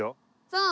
そう。